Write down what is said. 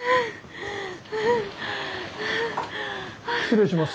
失礼します。